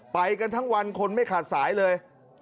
ไปกันทั้งวันคนไม่ขาดสายเลย